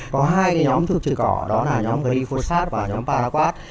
có hai cái nhóm thuốc chữa cỏ đó là nhóm glyphosate và nhóm paraquat